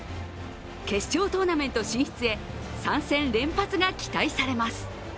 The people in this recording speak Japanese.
決勝トーナメント進出へ３戦連発が期待されます。